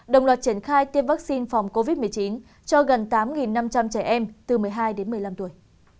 đồng loạt triển khai tiêm vaccine phòng covid một mươi chín cho gần tám năm trăm linh trẻ em từ một mươi hai đến một mươi năm tuổi